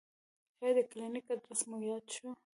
ایا د کلینیک ادرس مو یاد شو؟